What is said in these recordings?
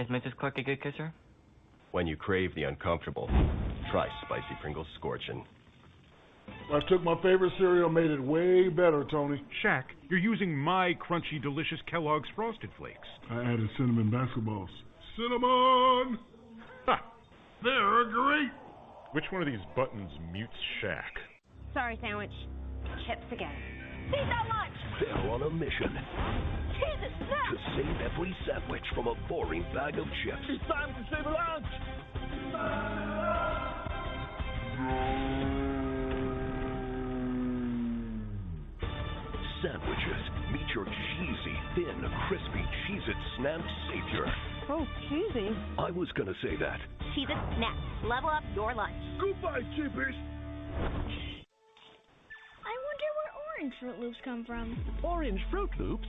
Is Mrs. Clark a good kisser? When you crave the uncomfortable, try Spicy Pringles Scorchin'. I took my favorite cereal, made it way better, Tony. Shaq, you're using my crunchy, delicious Kellogg's Frosted Flakes. I added cinnamon basketballs. Cinnamon. Ha. They're great. Which one of these buttons mutes Shaq? Sorry, sandwich. Chips again. Cheez-It Lunch. They're on a mission. Cheez-It Snap'd. To save every sandwich from a boring bag of chips. It's time to save lunch. Time to save lunch. Sandwiches, meet your cheesy, thin, crispy Cheez-It Snap'd savior. So cheesy. I was going to say that. Cheez-It Snap'd, level up your lunch. Goodbye, Cheepers. I wonder where orange Froot Loops come from. Orange Froot Loops?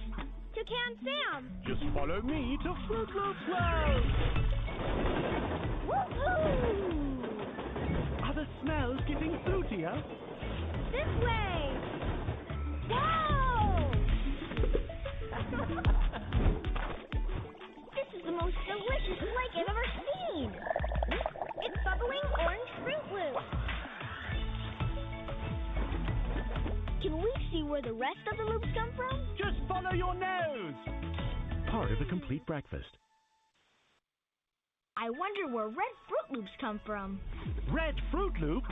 Toucan Sam. Just follow me to Froot Loops Cloud. Woohoo. Are the smells getting fruitier? This way. Whoa. This is the most delicious lake I've ever seen. It's bubbling orange Froot Loops. Can we see where the rest of the loops come from? Just follow your nose. Part of a complete breakfast. I wonder where red Froot Loops come from. Red Froot Loops?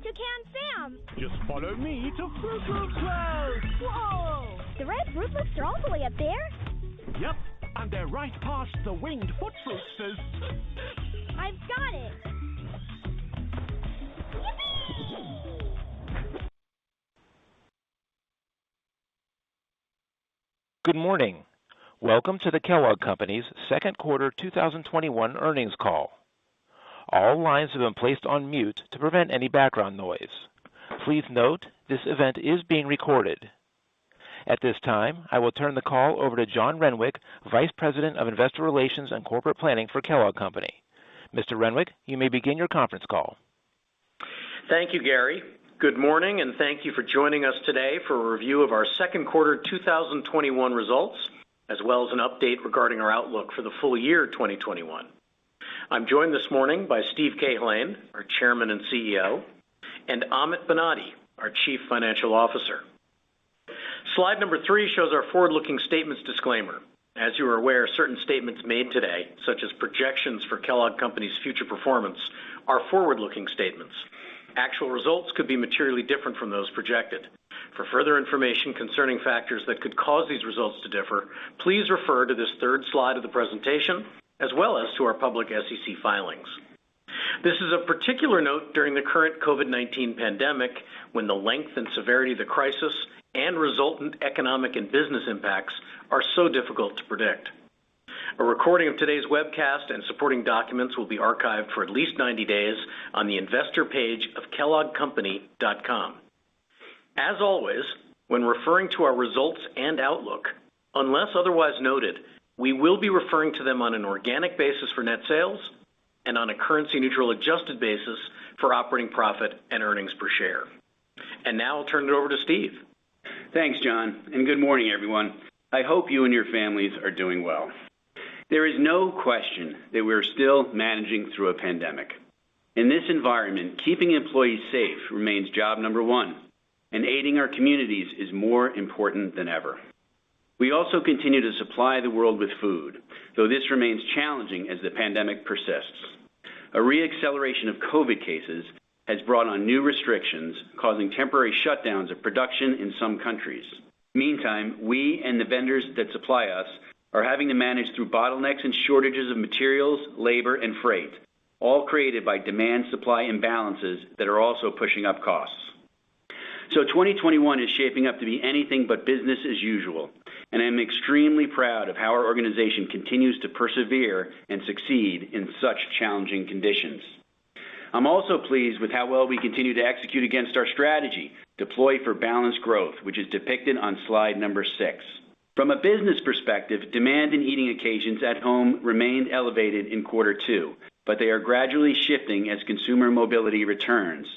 Toucan Sam. Just follow me to Froot Loops Cloud. Whoa. The red Froot Loops are all the way up there? Yep, they're right past the winged Froot Loopsters. I've got it. Yippee. Good morning. Welcome to the Kellogg Company's Q2 2021 earnings call. All lines have been placed on mute to prevent any background noise. Please note that this event is being recorded. At this time, I will turn the call over to John Renwick, Vice President of Investor Relations and Corporate Planning for Kellogg Company. Mr. Renwick, you may begin your conference call. Thank you, Gary. Good morning, and thank you for joining us today for a review of our Q2 2021 results, as well as an update regarding our outlook for the full-year 2021. I'm joined this morning by Steve Cahillane, our Chairman and CEO, and Amit Banati, our Chief Financial Officer. Slide number three shows our forward-looking statements disclaimer. As you are aware, certain statements made today, such as projections for Kellogg Company's future performance, are forward-looking statements. Actual results could be materially different from those projected. For further information concerning factors that could cause these results to differ, please refer to this third slide of the presentation, as well as to our public SEC filings. This is of particular note during the current COVID-19 pandemic, when the length and severity of the crisis and resultant economic and business impacts are so difficult to predict. A recording of today's webcast and supporting documents will be archived for at least 90 days on the investor page of kelloggcompany.com. As always, when referring to our results and outlook, unless otherwise noted, we will be referring to them on an organic basis for net sales and on a currency neutral adjusted basis for operating profit and earnings per share. Now I'll turn it over to Steve. Thanks, John. Good morning, everyone. I hope you and your families are doing well. There is no question that we're still managing through a pandemic. In this environment, keeping employees safe remains job number one, and aiding our communities is more important than ever. We also continue to supply the world with food, though this remains challenging as the pandemic persists. A re-acceleration of COVID-19 cases has brought on new restrictions, causing temporary shutdowns of production in some countries. Meantime, we and the vendors that supply us are having to manage through bottlenecks and shortages of materials, labor, and freight, all created by demand/supply imbalances that are also pushing up costs. 2021 is shaping up to be anything but business as usual, and I'm extremely proud of how our organization continues to persevere and succeed in such challenging conditions. I'm also pleased with how well we continue to execute against our strategy, Deploy for Balanced Growth, which is depicted on slide number six. From a business perspective, demand and eating occasions at home remained elevated in Q2, but they are gradually shifting as consumer mobility returns.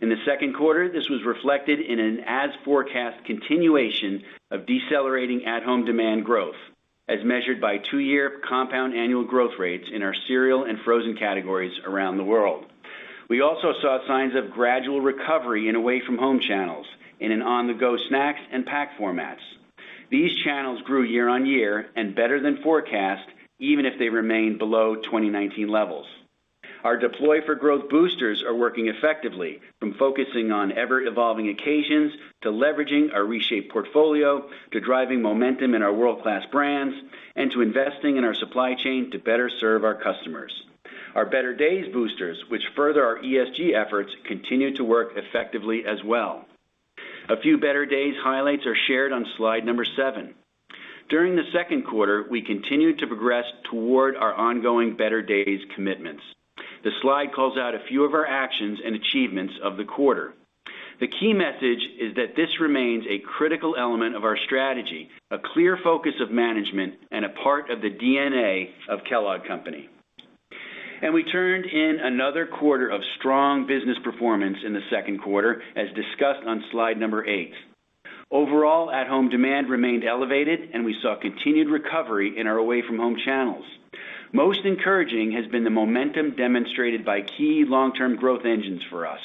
In the Q2, this was reflected in an as forecast continuation of decelerating at home demand growth, as measured by two-year compound annual growth rates in our cereal and frozen categories around the world. We also saw signs of gradual recovery in away-from-home channels in an on-the-go snacks and pack formats. These channels grew year-on-year and better than forecast, even if they remain below 2019 levels. Our Deploy for Growth boosters are working effectively from focusing on ever evolving occasions, to leveraging our reshaped portfolio, to driving momentum in our world-class brands, and to investing in our supply chain to better serve our customers. Our Better Days boosters, which further our ESG efforts, continue to work effectively as well. A few Better Days highlights are shared on slide number seven. During the Q2, we continued to progress toward our ongoing Better Days commitments. The slide calls out a few of our actions and achievements of the quarter. The key message is that this remains a critical element of our strategy, a clear focus of management, and a part of the DNA of Kellogg Company. We turned in another quarter of strong business performance in the Q2, as discussed on slide number eight. Overall, at-home demand remained elevated, and we saw continued recovery in our away-from-home channels. Most encouraging has been the momentum demonstrated by key long-term growth engines for us.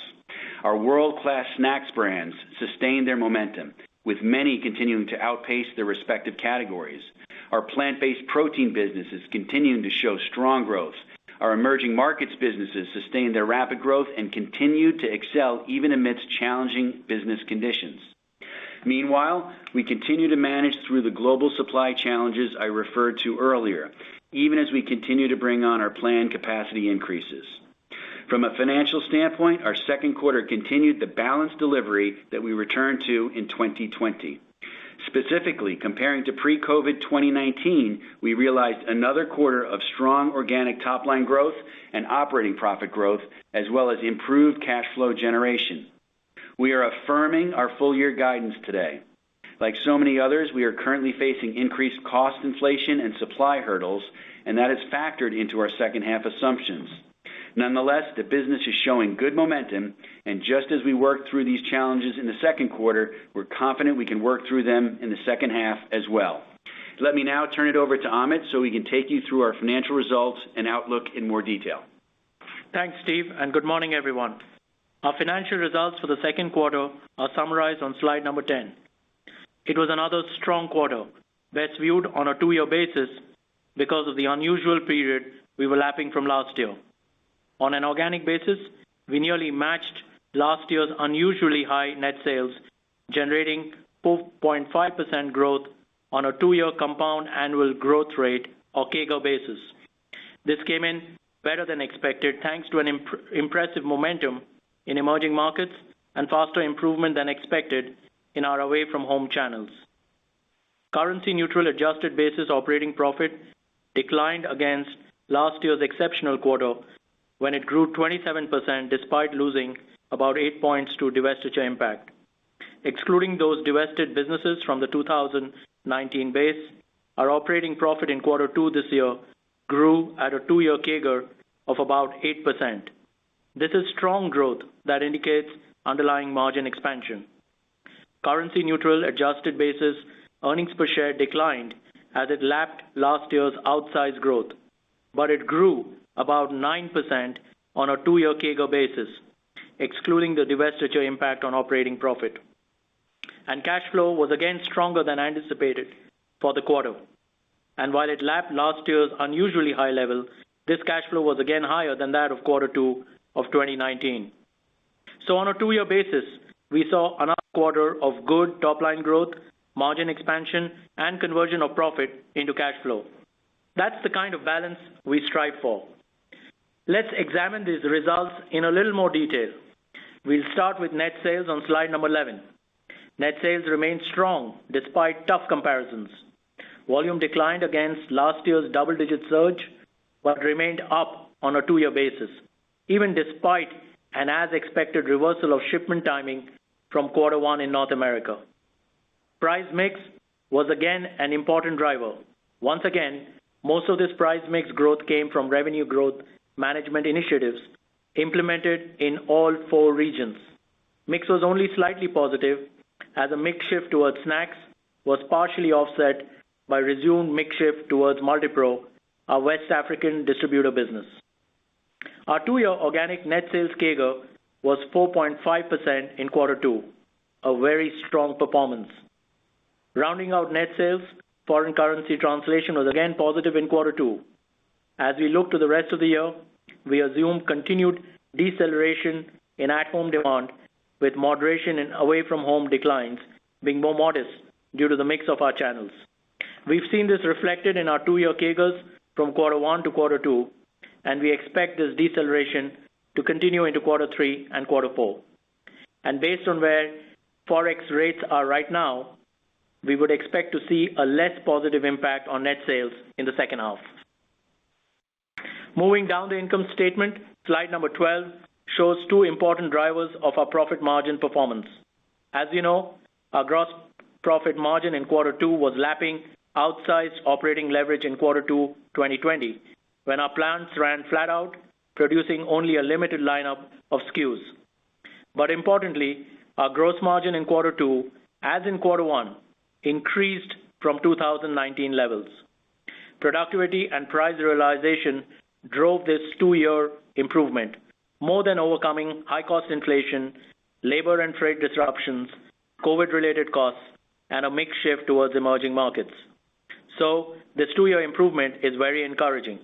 Our world-class snacks brands sustained their momentum, with many continuing to outpace their respective categories. Our plant-based protein business is continuing to show strong growth. Our emerging markets businesses sustained their rapid growth and continued to excel even amidst challenging business conditions. Meanwhile, we continue to manage through the global supply challenges I referred to earlier, even as we continue to bring on our planned capacity increases. From a financial standpoint, our Q2 continued the balanced delivery that we returned to in 2020. Specifically, comparing to pre-COVID-19 2019, we realized another quarter of strong organic top-line growth and operating profit growth, as well as improved cash flow generation. We are affirming our full-year guidance today. Like so many others, we are currently facing increased cost inflation and supply hurdles. That is factored into our H2 assumptions. Nonetheless, the business is showing good momentum. Just as we worked through these challenges in the Q2, we're confident we can work through them in the H2 as well. Let me now turn it over to Amit so he can take you through our financial results and outlook in more detail. Thanks, Steve. Good morning, everyone. Our financial results for the Q2 are summarized on slide number 10. It was another strong quarter, best viewed on a two-year basis because of the unusual period we were lapping from last year. On an organic basis, we nearly matched last year's unusually high net sales, generating 4.5% growth on a two-year compound annual growth rate, or CAGR basis. This came in better than expected, thanks to an impressive momentum in emerging markets and faster improvement than expected in our away-from-home channels. Currency neutral adjusted basis operating profit declined against last year's exceptional quarter when it grew 27%, despite losing about 8 points to divestiture impact. Excluding those divested businesses from the 2019 base, our operating profit in Q2 this year grew at a two-year CAGR of about 8%. This is strong growth that indicates underlying margin expansion. Currency neutral adjusted basis. Earnings per share declined as it lapped last year's outsized growth. It grew about 9% on a two-year CAGR basis, excluding the divestiture impact on operating profit. Cash flow was again stronger than anticipated for the quarter. While it lapped last year's unusually high level, this cash flow was again higher than that of Q2 of 2019. On a two-year basis, we saw another quarter of good top-line growth, margin expansion, and conversion of profit into cash flow. That's the kind of balance we strive for. Let's examine these results in a little more detail. We'll start with net sales on slide number 11. Net sales remained strong despite tough comparisons. Volume declined against last year's double-digit surge, but remained up on a two-year basis, even despite an as-expected reversal of shipment timing from Q1 in North America. Price mix was again an important driver. Once again, most of this price mix growth came from revenue growth management initiatives implemented in all four regions. Mix was only slightly positive as a mix shift towards snacks was partially offset by resumed mix shift towards Multipro, our West African distributor business. Our two-year organic net sales CAGR was 4.5% in Q2, a very strong performance. Rounding out net sales, foreign currency translation was again positive in Q2. As we look to the rest of the year, we assume continued deceleration in at-home demand, with moderation in away-from-home declines being more modest due to the mix of our channels. We've seen this reflected in our two-year CAGRs from Q1-Q2, and we expect this deceleration to continue into Q3 and Q4. Based on where Forex rates are right now, we would expect to see a less positive impact on net sales in the H2. Moving down the income statement, slide number 12 shows two important drivers of our profit margin performance. As you know, our gross profit margin in Q2 was lapping outsized operating leverage in Q2 2020, when our plants ran flat out, producing only a limited lineup of SKUs. Importantly, our gross margin in Q2, as in Q1, increased from 2019 levels. Productivity and price realization drove this two-year improvement, more than overcoming high cost inflation, labor and freight disruptions, COVID-related costs, and a mix shift towards emerging markets. This two-year improvement is very encouraging.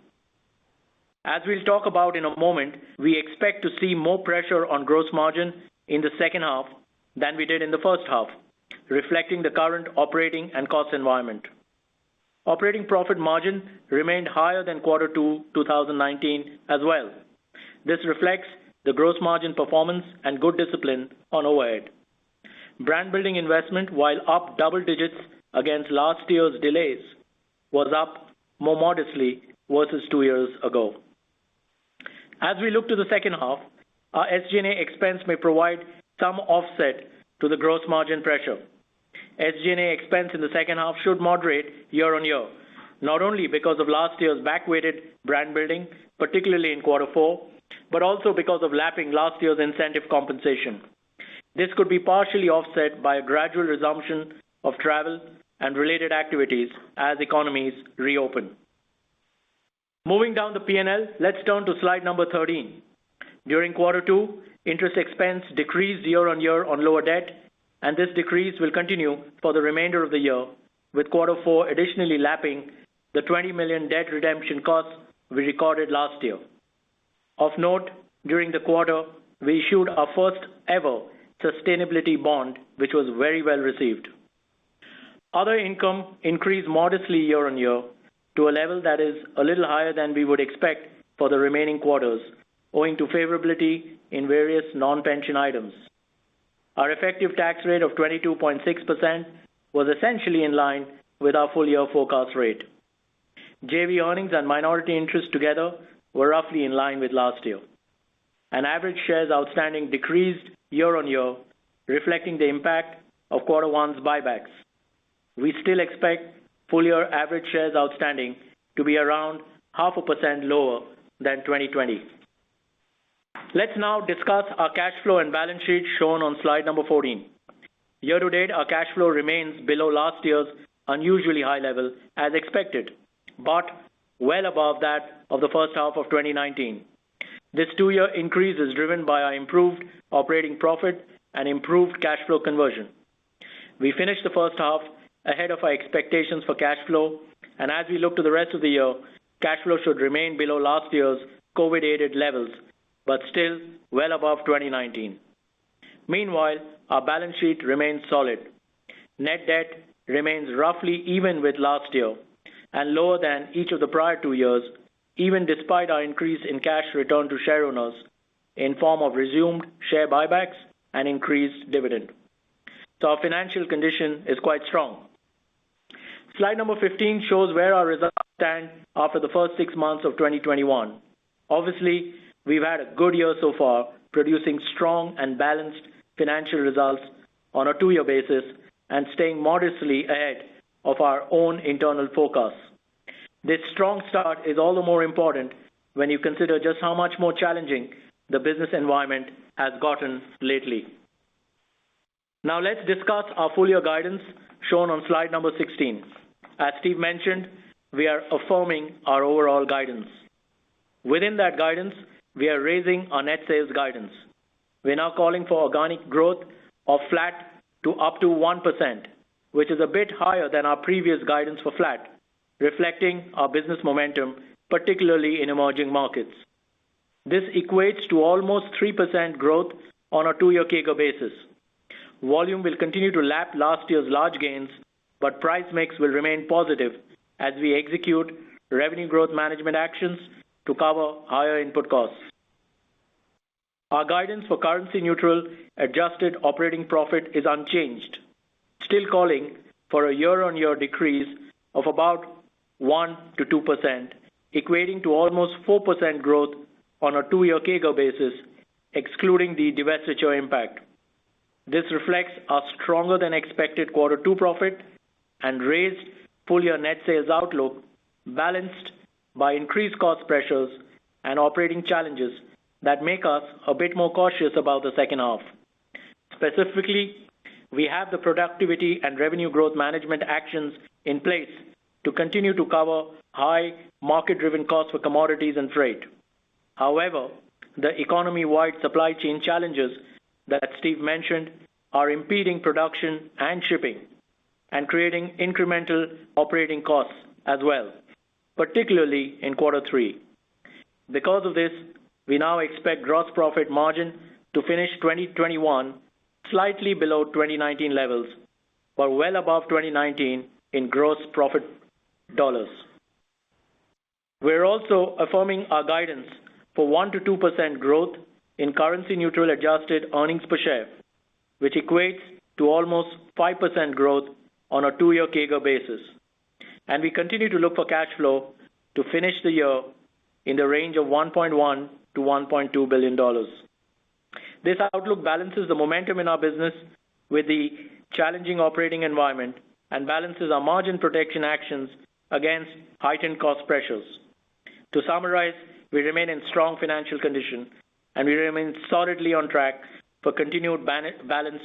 As we'll talk about in a moment, we expect to see more pressure on gross margin in the H2 than we did in the H1, reflecting the current operating and cost environment. Operating profit margin remained higher than Q2 2019 as well. This reflects the gross margin performance and good discipline on overhead. Brand building investment, while up double digits against last year's delays, was up more modestly versus two years ago. As we look to the H2, our SG&A expense may provide some offset to the gross margin pressure. SG&A expense in the H2 should moderate year-on-year, not only because of last year's back-weighted brand building, particularly in Q4, but also because of lapping last year's incentive compensation. This could be partially offset by a gradual resumption of travel and related activities as economies reopen. Moving down the P&L, let's turn to slide number 13. During Q2, interest expense decreased year-on-year on lower debt, and this decrease will continue for the remainder of the year, with Q4 additionally lapping the $20 million debt redemption costs we recorded last year. Of note, during the quarter, we issued our first ever sustainability bond, which was very well received. Other income increased modestly year-on-year to a level that is a little higher than we would expect for the remaining quarters, owing to favorability in various non-pension items. Our effective tax rate of 22.6% was essentially in line with our full-year forecast rate. JV earnings and minority interest together were roughly in line with last year. Average shares outstanding decreased year-on-year, reflecting the impact of quarter one's buybacks. We still expect full-year average shares outstanding to be around half a percent lower than 2020. Let's now discuss our cash flow and balance sheet, shown on slide number 14. Year to date, our cash flow remains below last year's unusually high level, as expected, but well above that of the H1 of 2019. This two-year increase is driven by our improved operating profit and improved cash flow conversion. We finished the H1 ahead of our expectations for cash flow, and as we look to the rest of the year, cash flow should remain below last year's COVID-aided levels, but still well above 2019. Meanwhile, our balance sheet remains solid. Net debt remains roughly even with last year, and lower than each of the prior two years, even despite our increase in cash return to shareowners in form of resumed share buybacks and increased dividend. Our financial condition is quite strong. Slide number 15 shows where our results stand after the first six months of 2021. Obviously, we've had a good year so far, producing strong and balanced financial results on a two-year basis and staying modestly ahead of our own internal forecasts. This strong start is all the more important when you consider just how much more challenging the business environment has gotten lately. Now let's discuss our full-year guidance, shown on slide number 16. As Steve mentioned, we are affirming our overall guidance. Within that guidance, we are raising our net sales guidance. We're now calling for organic growth of flat to up to 1%, which is a bit higher than our previous guidance for flat, reflecting our business momentum, particularly in emerging markets. This equates to almost 3% growth on a two-year CAGR basis. Volume will continue to lap last year's large gains, but price mix will remain positive as we execute revenue growth management actions to cover higher input costs. Our guidance for currency-neutral adjusted operating profit is unchanged, still calling for a year-on-year decrease of about 1%-2%, equating to almost 4% growth on a two-year CAGR basis, excluding the divestiture impact. This reflects our stronger than expected Q2 profit and raised full-year net sales outlook, balanced by increased cost pressures and operating challenges that make us a bit more cautious about the H2. Specifically, we have the productivity and revenue growth management actions in place to continue to cover high market-driven costs for commodities and freight. The economy-wide supply chain challenges that Steve mentioned are impeding production and shipping, and creating incremental operating costs as well, particularly in Q3. We now expect gross profit margin to finish 2021 slightly below 2019 levels, but well above 2019 in gross profit dollars. We're also affirming our guidance for 1%-2% growth in currency-neutral adjusted earnings per share, which equates to almost 5% growth on a two-year CAGR basis. We continue to look for cash flow to finish the year in the range of $1.1 billion-$1.2 billion. This outlook balances the momentum in our business with the challenging operating environment and balances our margin protection actions against heightened cost pressures. To summarize, we remain in strong financial condition. We remain solidly on track for continued balanced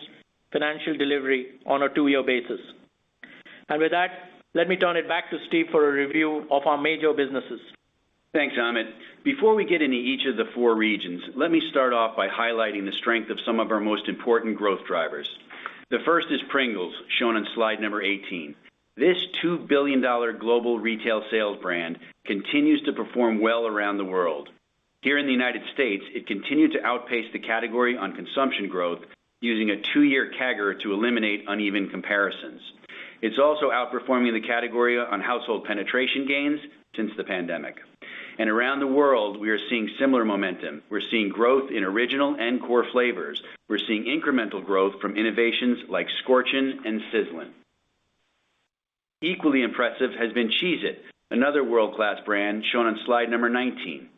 financial delivery on a two-year basis. With that, let me turn it back to Steve for a review of our major businesses. Thanks, Amit. Before we get into each of the four regions, let me start off by highlighting the strength of some of our most important growth drivers. The first is Pringles, shown on slide number 18. This $2 billion global retail sales brand continues to perform well around the world. Here in the U.S., it continued to outpace the category on consumption growth using a two-year CAGR to eliminate uneven comparisons. It's also outperforming the category on household penetration gains since the pandemic. Around the world, we are seeing similar momentum. We're seeing growth in original and core flavors. We're seeing incremental growth from innovations like Scorchin' and Sizzl'n. Equally impressive has been Cheez-It, another world-class brand shown on slide number 19.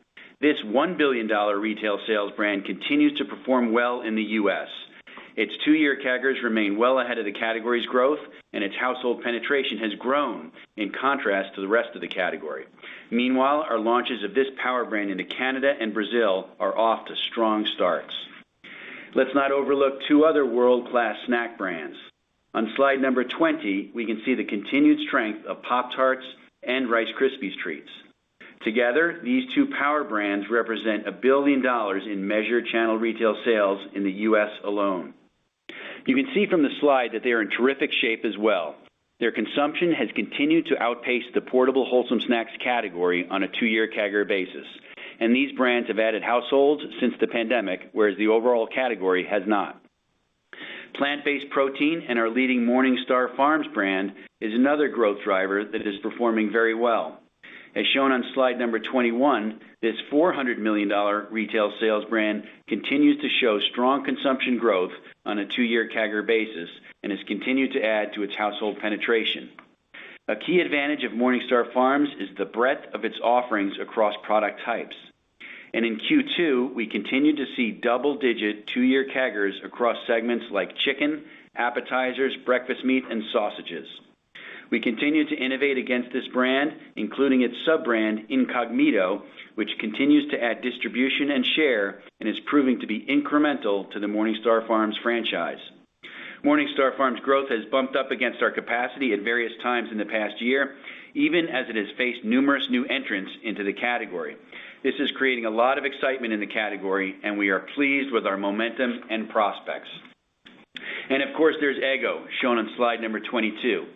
This $1 billion retail sales brand continues to perform well in the U.S. Its two-year CAGRs remain well ahead of the category's growth, and its household penetration has grown in contrast to the rest of the category. Meanwhile, our launches of this power brand into Canada and Brazil are off to strong starts. Let's not overlook two other world-class snack brands. On slide number 20, we can see the continued strength of Pop-Tarts and Rice Krispies Treats. Together, these two power brands represent a $1 billion in measured channel retail sales in the U.S. alone. You can see from the slide that they are in terrific shape as well. Their consumption has continued to outpace the portable wholesome snacks category on a two-year CAGR basis, and these brands have added households since the pandemic, whereas the overall category has not. Plant-based protein and our leading MorningStar Farms brand is another growth driver that is performing very well. As shown on slide 21, this $400 million retail sales brand continues to show strong consumption growth on a two-year CAGR basis and has continued to add to its household penetration. A key advantage of MorningStar Farms is the breadth of its offerings across product types. In Q2, we continued to see double-digit, two-year CAGRs across segments like chicken, appetizers, breakfast meat, and sausages. We continue to innovate against this brand, including its sub-brand, Incogmeato, which continues to add distribution and share and is proving to be incremental to the MorningStar Farms franchise. MorningStar Farms growth has bumped up against our capacity at various times in the past year, even as it has faced numerous new entrants into the category. This is creating a lot of excitement in the category, we are pleased with our momentum and prospects. Of course, there's Eggo, shown on slide number 22.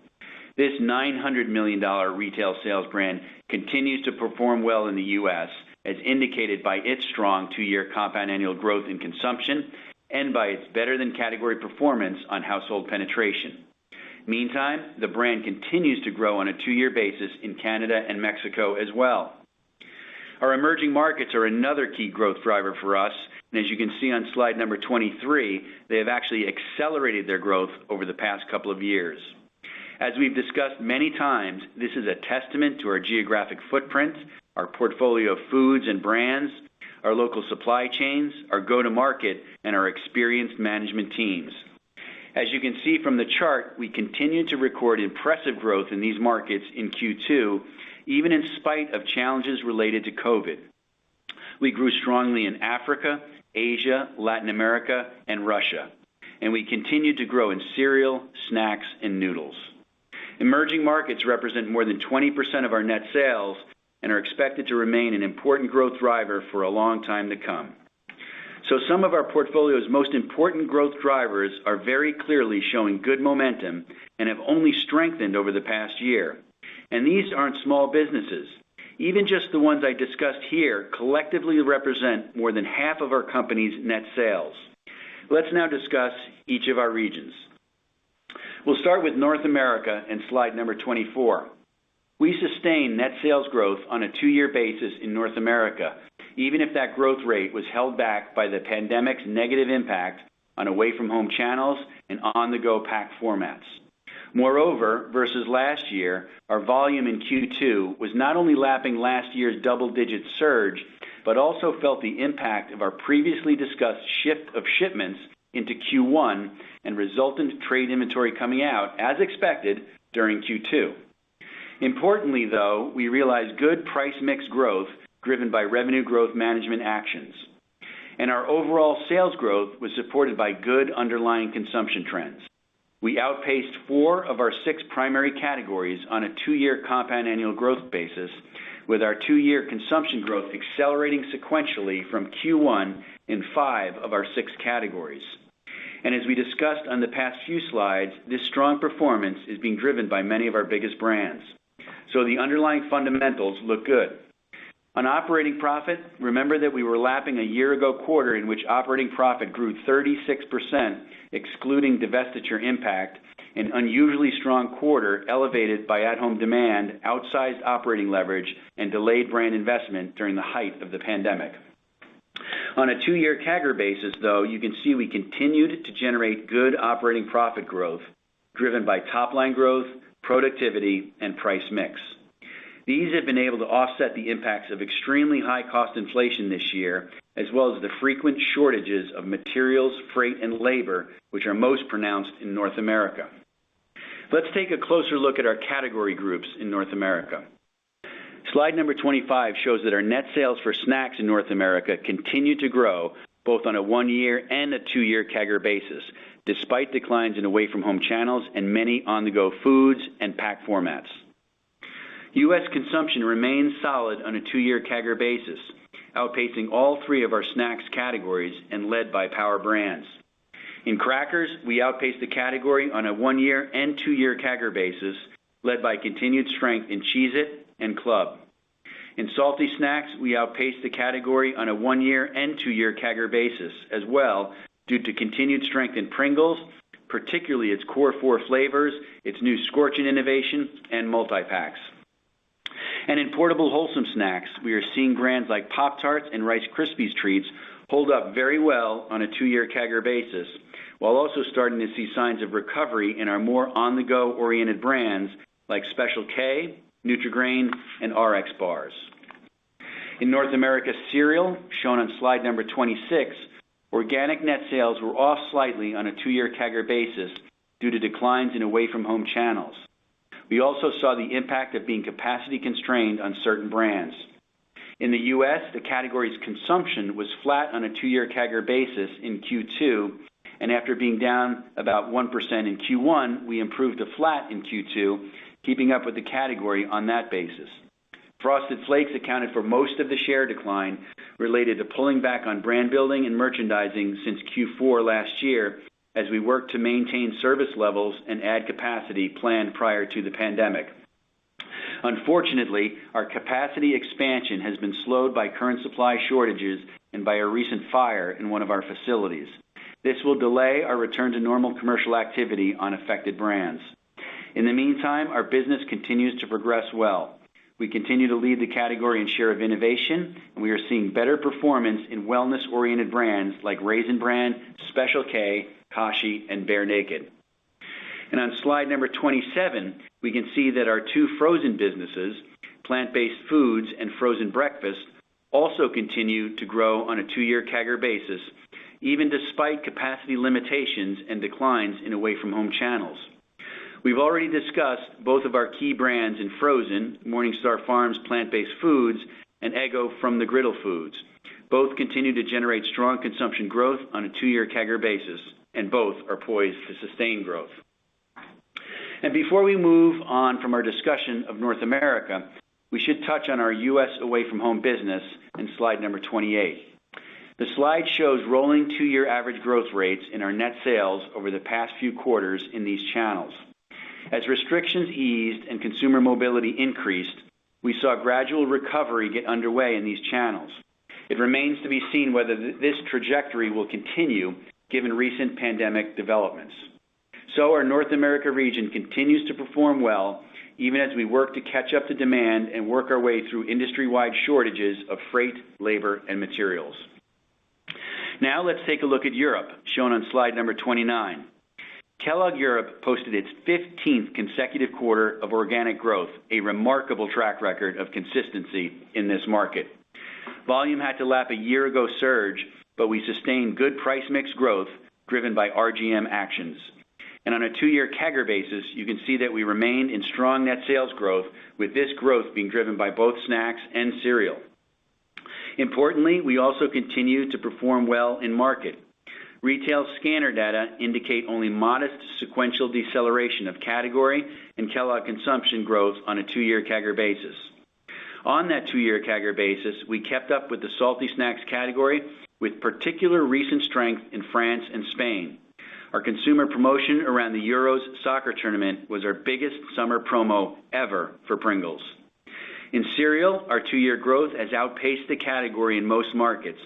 This $900 million retail sales brand continues to perform well in the U.S., as indicated by its strong two-year compound annual growth in consumption and by its better-than-category performance on household penetration. Meantime, the brand continues to grow on a two-year basis in Canada and Mexico as well. Our emerging markets are another key growth driver for us and as you can see on slide number 23, they have actually accelerated their growth over the past couple of years. As we've discussed many times, this is a testament to our geographic footprint, our portfolio of foods and brands, our local supply chains, our go-to-market, and our experienced management teams. As you can see from the chart, we continued to record impressive growth in these markets in Q2, even in spite of challenges related to COVID. We grew strongly in Africa, Asia, Latin America, and Russia. We continued to grow in cereal, snacks, and noodles. Emerging markets represent more than 20% of our net sales and are expected to remain an important growth driver for a long time to come. Some of our portfolio's most important growth drivers are very clearly showing good momentum and have only strengthened over the past year. These aren't small businesses. Even just the ones I discussed here collectively represent more than half of our company's net sales. Let's now discuss each of our regions. We'll start with North America in slide number 24. We sustained net sales growth on a two-year basis in North America, even if that growth rate was held back by the pandemic's negative impact on away-from-home channels and on-the-go pack formats. Versus last year, our volume in Q2 was not only lapping last year's double-digit surge but also felt the impact of our previously discussed shift of shipments into Q1 and resultant trade inventory coming out, as expected, during Q2. Importantly, though, we realized good price mix growth driven by revenue growth management actions, and our overall sales growth was supported by good underlying consumption trends. We outpaced four of our six primary categories on a two-year compound annual growth basis, with our two-year consumption growth accelerating sequentially from Q1 in five of our six categories. As we discussed on the past few slides, this strong performance is being driven by many of our biggest brands. The underlying fundamentals look good. On operating profit, remember that we were lapping a year-ago quarter in which operating profit grew 36%, excluding divestiture impact, an unusually strong quarter elevated by at-home demand, outsized operating leverage, and delayed brand investment during the height of the pandemic. On a two-year CAGR basis, though, you can see we continued to generate good operating profit growth driven by top-line growth, productivity, and price mix. These have been able to offset the impacts of extremely high cost inflation this year, as well as the frequent shortages of materials, freight, and labor, which are most pronounced in North America. Let's take a closer look at our category groups in North America. Slide number 25 shows that our net sales for snacks in North America continued to grow both on a one-year and a two-year CAGR basis, despite declines in away-from-home channels and many on-the-go foods and pack formats. U.S. consumption remains solid on a two-year CAGR basis, outpacing all three of our snacks categories and led by power brands. In crackers, we outpaced the category on a one-year and two-year CAGR basis, led by continued strength in Cheez-It and Club. In salty snacks, we outpaced the category on a one-year and two-year CAGR basis as well due to continued strength in Pringles, particularly its core four flavors, its new Scorchin' innovation, and multi-packs. In portable wholesome snacks, we are seeing brands like Pop-Tarts and Rice Krispies Treats hold up very well on a two-year CAGR basis, while also starting to see signs of recovery in our more on-the-go oriented brands like Special K, Nutri-Grain, and RXBAR. In North America cereal, shown on slide number 26, organic net sales were off slightly on a two-year CAGR basis due to declines in away-from-home channels. We also saw the impact of being capacity constrained on certain brands. In the U.S., the category's consumption was flat on a two-year CAGR basis in Q2, and after being down about 1% in Q1, we improved to flat in Q2, keeping up with the category on that basis. Frosted Flakes accounted for most of the share decline related to pulling back on brand building and merchandising since Q4 last year, as we work to maintain service levels and add capacity planned prior to the pandemic. Unfortunately, our capacity expansion has been slowed by current supply shortages and by a recent fire in one of our facilities. This will delay our return to normal commercial activity on affected brands. In the meantime, our business continues to progress well. We continue to lead the category in share of innovation, we are seeing better performance in wellness-oriented brands like Raisin Bran, Special K, Kashi, and Bear Naked. On slide 27, we can see that our two frozen businesses, plant-based foods and frozen breakfast, also continue to grow on a two-year CAGR basis, even despite capacity limitations and declines in away-from-home channels. We've already discussed both of our key brands in frozen, MorningStar Farms plant-based foods and Eggo from the griddle foods. Both continue to generate strong consumption growth on a two-year CAGR basis, both are poised to sustain growth. Before we move on from our discussion of North America, we should touch on our U.S. away-from-home business in slide 28. The slide shows rolling two-year average growth rates in our net sales over the past few quarters in these channels. As restrictions eased and consumer mobility increased, we saw gradual recovery get underway in these channels. It remains to be seen whether this trajectory will continue given recent pandemic developments. Our North America region continues to perform well even as we work to catch up to demand and work our way through industry-wide shortages of freight, labor, and materials. Let's take a look at Europe, shown on slide number 29. Kellogg Europe posted its 15th consecutive quarter of organic growth, a remarkable track record of consistency in this market. Volume had to lap a year ago surge, but we sustained good price mix growth driven by RGM actions. On a two-year CAGR basis, you can see that we remain in strong net sales growth, with this growth being driven by both snacks and cereal. Importantly, we also continue to perform well in market. Retail scanner data indicate only modest sequential deceleration of category and Kellanova consumption growth on a two-year CAGR basis. On that two-year CAGR basis, we kept up with the salty snacks category, with particular recent strength in France and Spain. Our consumer promotion around the Euros soccer tournament was our biggest summer promo ever for Pringles. In cereal, our two-year growth has outpaced the category in most markets,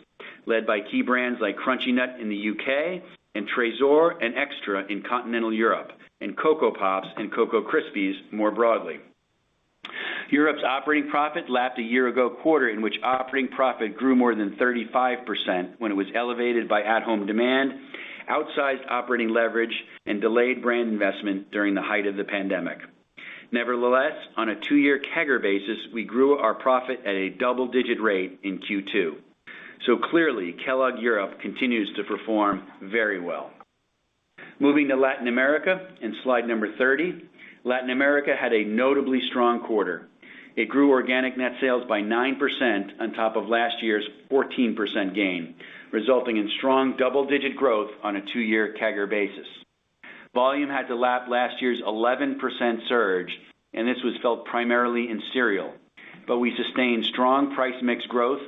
led by key brands like Crunchy Nut in the U.K. and Trésor and Extra in continental Europe, and Coco Pops and Cocoa Krispies more broadly. Europe's operating profit lapped a year ago quarter in which operating profit grew more than 35% when it was elevated by at-home demand, outsized operating leverage, and delayed brand investment during the height of the pandemic. Nevertheless, on a two-year CAGR basis, we grew our profit at a double-digit rate in Q2. Clearly, Kellogg Europe continues to perform very well. Moving to Latin America in slide number 30, Latin America had a notably strong quarter. It grew organic net sales by 9% on top of last year's 14% gain, resulting in strong double-digit growth on a two-year CAGR basis. Volume had to lap last year's 11% surge, this was felt primarily in cereal. We sustained strong price mix growth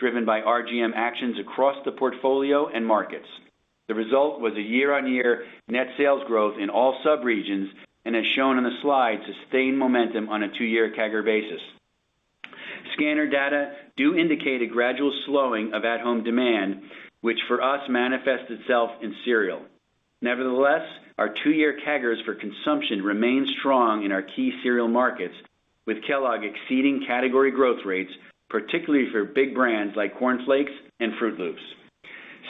driven by RGM actions across the portfolio and markets. The result was a year-on-year net sales growth in all subregions, as shown on the slide, sustained momentum on a two-year CAGR basis. Scanner data do indicate a gradual slowing of at-home demand, which for us manifests itself in cereal. Nevertheless, our two-year CAGRs for consumption remain strong in our key cereal markets, with Kellogg exceeding category growth rates, particularly for big brands like Corn Flakes and Froot Loops.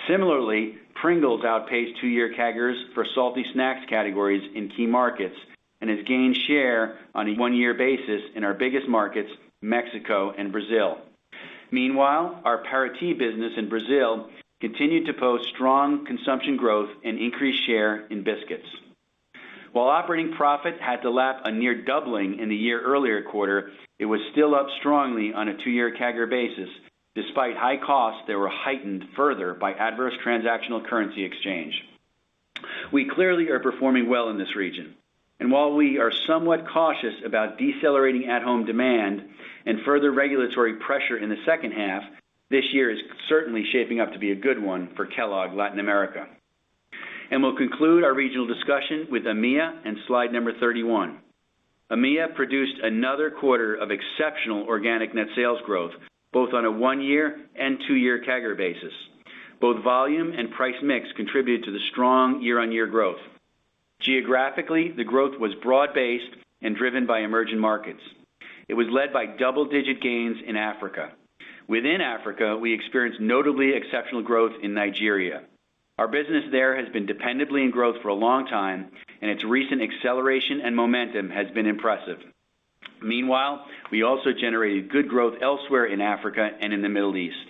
Similarly, Pringles outpaced two-year CAGRs for salty snacks categories in key markets and has gained share on a one-year basis in our biggest markets, Mexico and Brazil. Meanwhile, our Parati business in Brazil continued to post strong consumption growth and increased share in biscuits. While operating profit had to lap a near doubling in the year earlier quarter, it was still up strongly on a two-year CAGR basis, despite high costs that were heightened further by adverse transactional currency exchange. We clearly are performing well in this region, and while we are somewhat cautious about decelerating at-home demand and further regulatory pressure in the H2, this year is certainly shaping up to be a good one for Kellogg Latin America. We'll conclude our regional discussion with EMEA in slide number 31. EMEA produced another quarter of exceptional organic net sales growth, both on a one-year and two-year CAGR basis. Both volume and price mix contributed to the strong year-on-year growth. Geographically, the growth was broad-based and driven by emerging markets. It was led by double-digit gains in Africa. Within Africa, we experienced notably exceptional growth in Nigeria. Our business there has been dependably in growth for a long time, and its recent acceleration and momentum has been impressive. Meanwhile, we also generated good growth elsewhere in Africa and in the Middle East.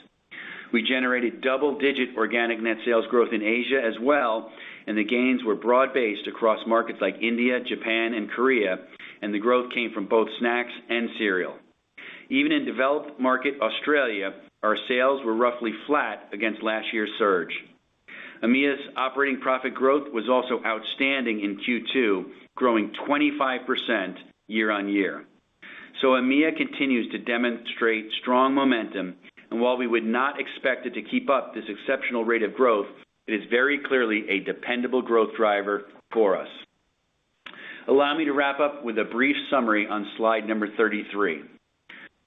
We generated double-digit organic net sales growth in Asia as well, and the gains were broad-based across markets like India, Japan, and Korea, and the growth came from both snacks and cereal. Even in developed market Australia, our sales were roughly flat against last year's surge. EMEA's operating profit growth was also outstanding in Q2, growing 25% year-on-year. EMEA continues to demonstrate strong momentum, and while we would not expect it to keep up this exceptional rate of growth, it is very clearly a dependable growth driver for us. Allow me to wrap up with a brief summary on slide 33.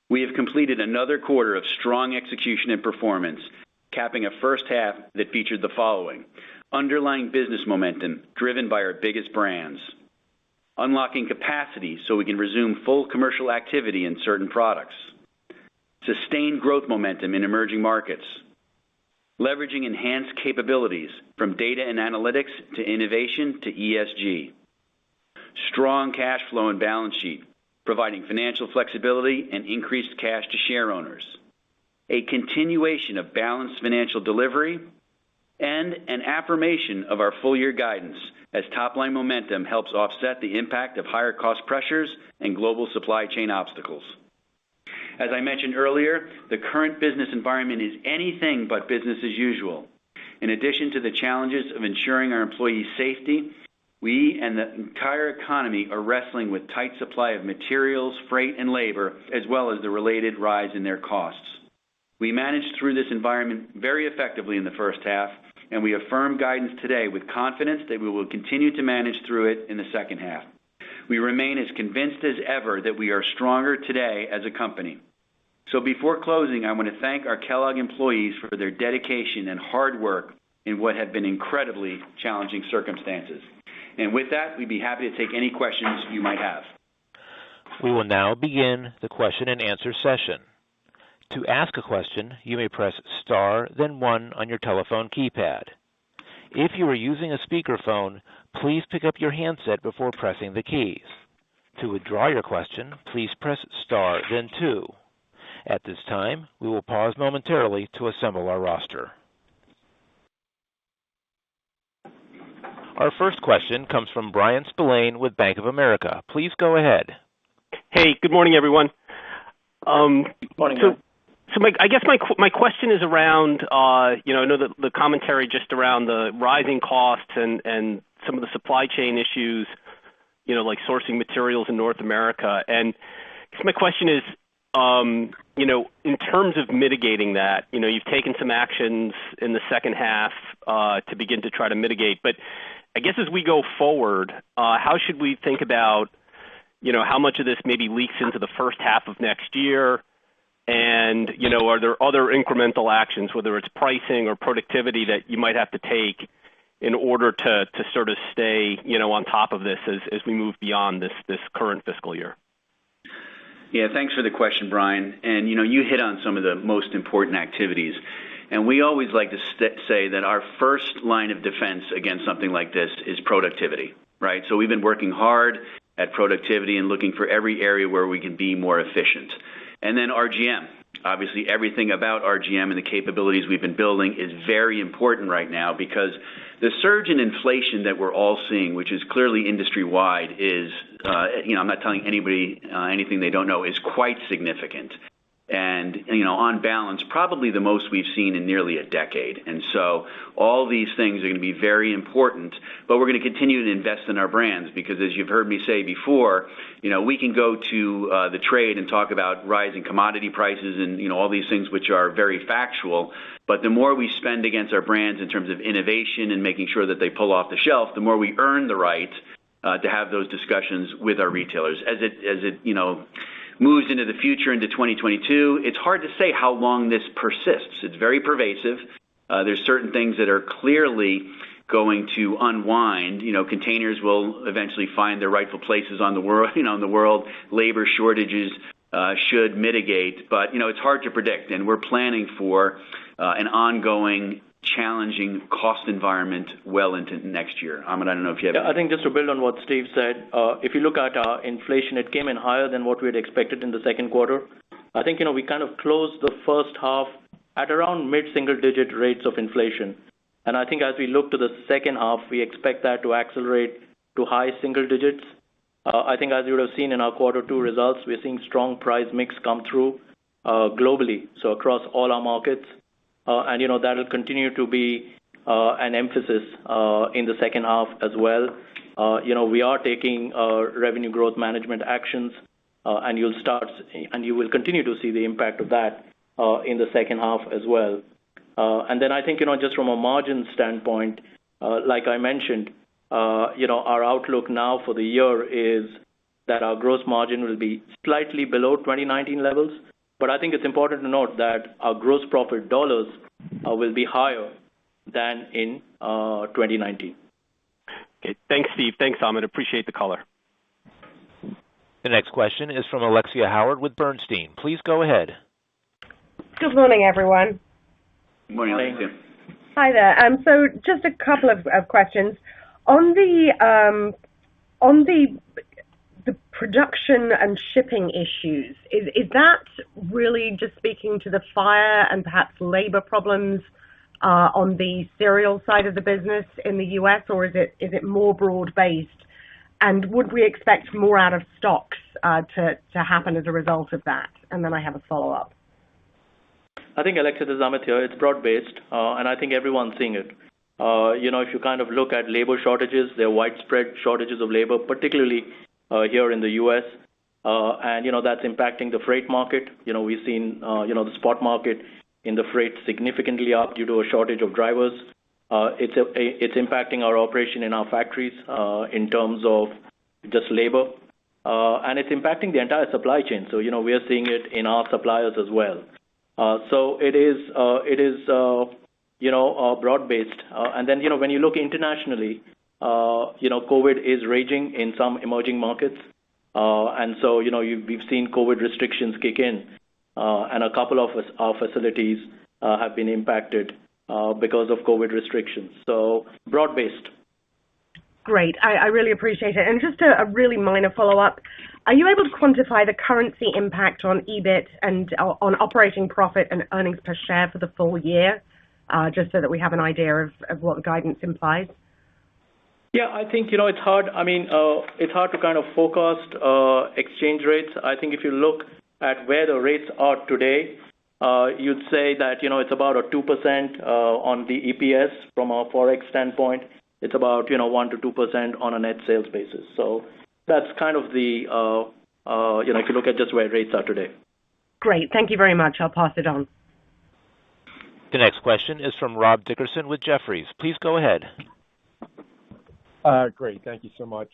We have completed another quarter of strong execution and performance, capping a H1 that featured the following: underlying business momentum driven by our biggest brands, unlocking capacity so we can resume full commercial activity in certain products, sustained growth momentum in emerging markets, leveraging enhanced capabilities from data and analytics to innovation to ESG, strong cash flow and balance sheet providing financial flexibility and increased cash to shareowners, a continuation of balanced financial delivery, and an affirmation of our full-year guidance as top-line momentum helps offset the impact of higher cost pressures and global supply chain obstacles. As I mentioned earlier, the current business environment is anything but business as usual. In addition to the challenges of ensuring our employees' safety, we and the entire economy are wrestling with tight supply of materials, freight, and labor, as well as the related rise in their costs. We managed through this environment very effectively in the H1, and we affirm guidance today with confidence that we will continue to manage through it in the H2. We remain as convinced as ever that we are stronger today as a company. Before closing, I want to thank our Kellanova employees for their dedication and hard work in what have been incredibly challenging circumstances. With that, we'd be happy to take any questions you might have. We will now begin the question-and-answer session. To ask a question, you may press star then one on your telephone keypad. If you are using a speakerphone, please pick up your handset before pressing the keys. To withdraw your question, please press star then two. At this time, we will pause momentarily to assemble our roster. Our first question comes from Bryan Spillane with Bank of America. Please go ahead. Hey, good morning, everyone. Morning. I guess my question is around, I know the commentary just around the rising costs and some of the supply chain issues, like sourcing materials in North America. I guess my question is, in terms of mitigating that, you've taken some actions in the H2 to begin to try to mitigate. I guess as we go forward, how should we think about how much of this maybe leaks into the H1 of next year? Are there other incremental actions, whether it's pricing or productivity, that you might have to take in order to sort of stay on top of this as we move beyond this current fiscal year? Yeah. Thanks for the question, Bryan. You hit on some of the most important activities. We always like to say that our first line of defense against something like this is productivity, right? We've been working hard at productivity and looking for every area where we can be more efficient. RGM, obviously everything about RGM and the capabilities we've been building is very important right now because the surge in inflation that we're all seeing, which is clearly industry-wide, is, I'm not telling anybody anything they don't know, is quite significant, and on balance, probably the most we've seen in nearly a decade. All these things are going to be very important, but we're going to continue to invest in our brands, because as you've heard me say before, we can go to the trade and talk about rising commodity prices and all these things which are very factual, but the more we spend against our brands in terms of innovation and making sure that they pull off the shelf, the more we earn the right to have those discussions with our retailers. As it moves into the future into 2022, it's hard to say how long this persists. It's very pervasive. There's certain things that are clearly going to unwind. Containers will eventually find their rightful places in the world. Labor shortages should mitigate. It's hard to predict, and we're planning for an ongoing challenging cost environment well into next year. Amit, I don't know if you have- Yeah, I think just to build on what Steve said, if you look at our inflation, it came in higher than what we had expected in the Q2. I think we kind of closed the H1 at around mid-single digit rates of inflation. I think as we look to the H2, we expect that to accelerate to high-single digits. I think as you would've seen in our Q2 results, we are seeing strong price mix come through globally, so across all our markets. That'll continue to be an emphasis in the H2 as well. We are taking revenue growth management actions, and you will continue to see the impact of that in the H2 as well. I think, just from a margin standpoint, like I mentioned, our outlook now for the year is that our gross margin will be slightly below 2019 levels. I think it's important to note that our gross profit dollars will be higher than in 2019. Okay. Thanks, Steve. Thanks, Amit. Appreciate the call. The next question is from Alexia Howard with Bernstein. Please go ahead. Good morning, everyone. Good morning. Good morning. Hi there. Just a couple of questions. On the production and shipping issues, is that really just speaking to the fire and perhaps labor problems on the cereal side of the business in the U.S., or is it more broad-based? Would we expect more out of stocks to happen as a result of that? I have a follow-up. I think, Alexia, this is Amit Banati here, it's broad-based, and I think everyone's seeing it. If you look at labor shortages, there are widespread shortages of labor, particularly here in the U.S., and that's impacting the freight market. We've seen the spot market in the freight significantly up due to a shortage of drivers. It's impacting our operation in our factories, in terms of just labor. It's impacting the entire supply chain, we are seeing it in our suppliers as well. It is broad-based. When you look internationally, COVID is raging in some emerging markets. We've seen COVID restrictions kick in, and a couple of our facilities have been impacted because of COVID restrictions. Broad-based. Great. I really appreciate it. Just a really minor follow-up. Are you able to quantify the currency impact on EBIT and on operating profit and earnings per share for the full-year, just so that we have an idea of what the guidance implies? Yeah, I think it's hard to forecast exchange rates. I think if you look at where the rates are today, you'd say that it's about a 2% on the EPS from our Forex standpoint. It's about 1%-2% on a net sales basis. If you look at just where rates are today. Great. Thank you very much. I'll pass it on. The next question is from Rob Dickerson with Jefferies. Please go ahead. Great. Thank you so much.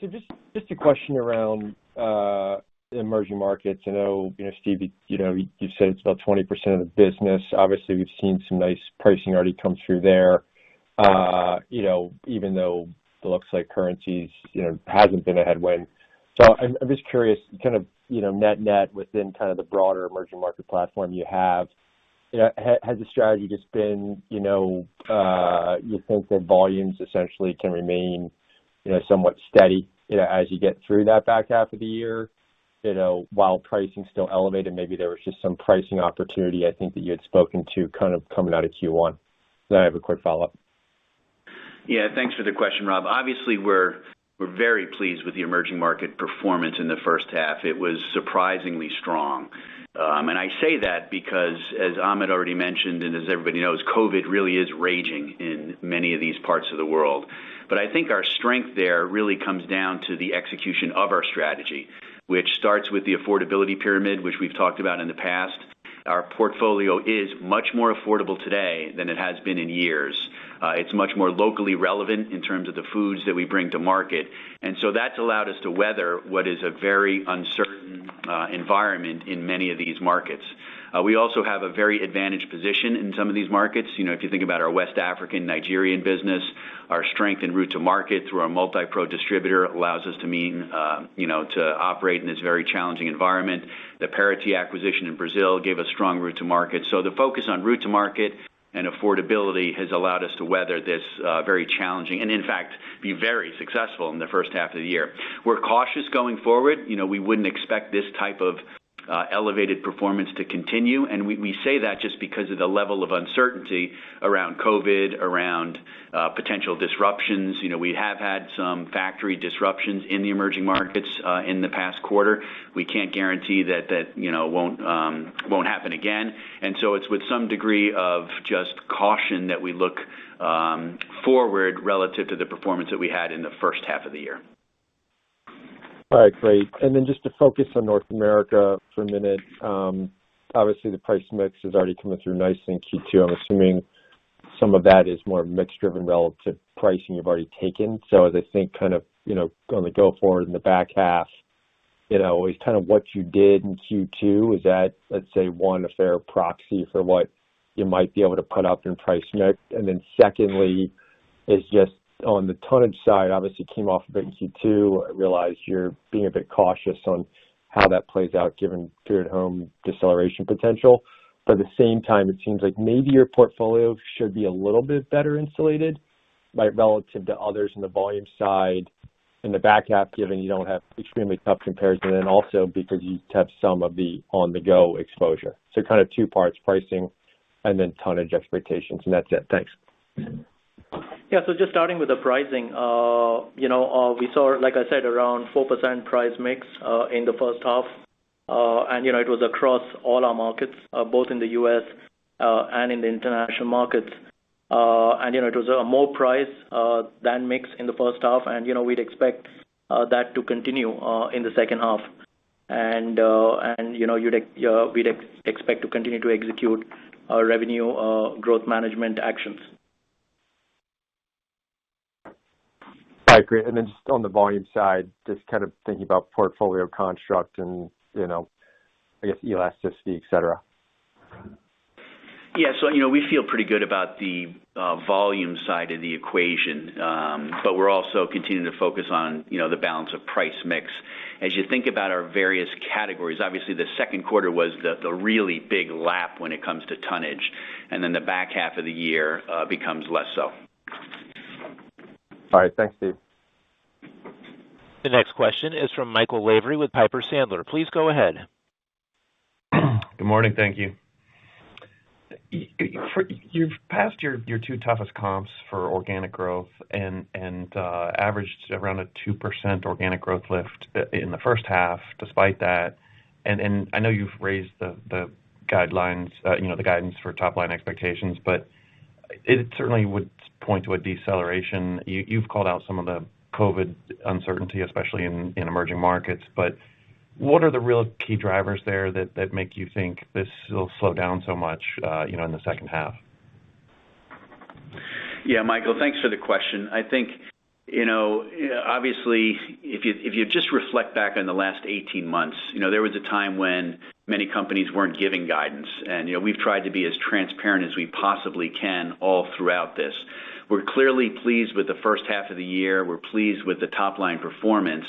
Just a question around emerging markets. I know, Steve, you've said it's about 20% of the business. Obviously, we've seen some nice pricing already come through there. Even though it looks like currencies hasn't been a headwind. I'm just curious, net within kind of the broader emerging market platform you have, has the strategy just been, you think that volumes essentially can remain somewhat steady as you get through that back half of the year, while pricing's still elevated? Maybe there was just some pricing opportunity I think that you had spoken to coming out of Q1. I have a quick follow-up. Yeah. Thanks for the question, Rob. Obviously, we're very pleased with the emerging market performance in the H1. It was surprisingly strong. I say that because, as Amit Banati already mentioned, and as everybody knows, COVID-19 really is raging in many of these parts of the world. I think our strength there really comes down to the execution of our strategy, which starts with the affordability pyramid, which we've talked about in the past. Our portfolio is much more affordable today than it has been in years. It's much more locally relevant in terms of the foods that we bring to market. That's allowed us to weather what is a very uncertain environment in many of these markets. We also have a very advantaged position in some of these markets. If you think about our West African Nigerian business, our strength in route to market through our Multipro distributor allows us to operate in this very challenging environment. The Parati acquisition in Brazil gave us strong route to market. The focus on route to market and affordability has allowed us to weather this very challenging and, in fact, be very successful in the first half of the year. We're cautious going forward. We wouldn't expect this type of elevated performance to continue, and we say that just because of the level of uncertainty around COVID, around potential disruptions. We have had some factory disruptions in the emerging markets in the past quarter. We can't guarantee that won't happen again. It's with some degree of just caution that we look forward relative to the performance that we had in the H1 of the year. All right, great. Just to focus on North America for a minute. Obviously, the price mix is already coming through nice in Q2. I am assuming some of that is more mix driven relative pricing you have already taken. As I think on the go forward in the back half, is what you did in Q2, is that, let's say, one, a fair proxy for what you might be able to put up in price mix? Secondly, is just on the tonnage side, obviously came off a bit in Q2. I realize you are being a bit cautious on how that plays out given the at-home deceleration potential. At the same time, it seems like maybe your portfolio should be a little bit better insulated relative to others in the volume side in the back half, given you don't have extremely tough comparison, and also because you have some of the on-the-go exposure. Kind of two parts, pricing and then tonnage expectations. That's it. Thanks. Just starting with the pricing. We saw, like I said, around 4% price mix in the H1. It was across all our markets, both in the U.S. and in the international markets. It was more price than mix in the H1, and we'd expect that to continue in the H2. We'd expect to continue to execute our revenue growth management actions. All right, great. Then just on the volume side, just kind of thinking about portfolio construct and I guess elasticity, et cetera. Yeah. We feel pretty good about the volume side of the equation. We're also continuing to focus on the balance of price mix. As you think about our various categories, obviously, the Q2 was the really big lap when it comes to tonnage, and then the back half of the year becomes less so. All right. Thanks, Steve. The next question is from Michael Lavery with Piper Sandler. Please go ahead. Good morning. Thank you. You've passed your two toughest comps for organic growth and averaged around a 2% organic growth lift in the H1 despite that, and I know you've raised the guidance for top-line expectations, but it certainly would point to a deceleration. You've called out some of the COVID uncertainty, especially in emerging markets. What are the real key drivers there that make you think this will slow down so much in the H2? Yeah, Michael Lavery, thanks for the question. I think, obviously, if you just reflect back on the last 18 months, there was a time when many companies weren't giving guidance, and we've tried to be as transparent as we possibly can all throughout this. We're clearly pleased with the H1 of the year. We're pleased with the top-line performance.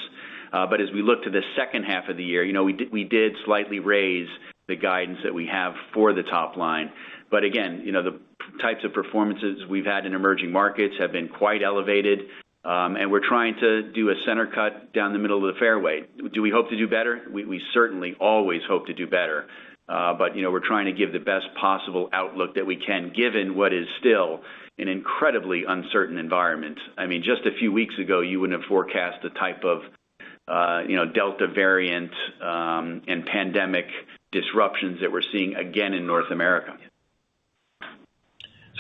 As we look to the H2 of the year, we did slightly raise the guidance that we have for the top line. Again, the types of performances we've had in emerging markets have been quite elevated. We're trying to do a center cut down the middle of the fairway. Do we hope to do better? We certainly always hope to do better. We're trying to give the best possible outlook that we can, given what is still an incredibly uncertain environment. Just a few weeks ago, you wouldn't have forecast the type of Delta variant and pandemic disruptions that we're seeing again in North America.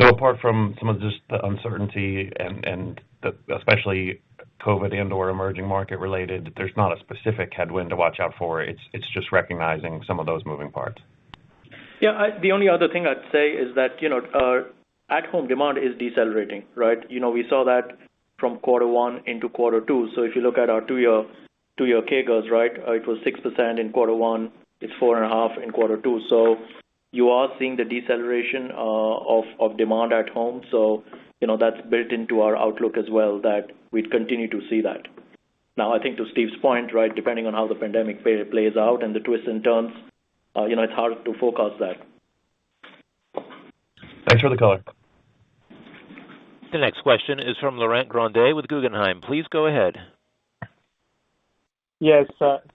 Apart from some of just the uncertainty and especially COVID and/or emerging market related, there's not a specific headwind to watch out for. It's just recognizing some of those moving parts. The only other thing I'd say is that at-home demand is decelerating, right? We saw that from Q1 into Q2. If you look at our two-year CAGRs, right? It was 6% in Q1. It's 4.5% in Q2. You are seeing the deceleration of demand at home. That's built into our outlook as well that we'd continue to see that. I think to Steve's point, right, depending on how the pandemic plays out and the twists and turns, it's hard to forecast that. Thanks for the color. The next question is from Laurent Grandet with Guggenheim. Please go ahead. Yes.